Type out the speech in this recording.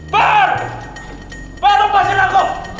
berah lepasin aku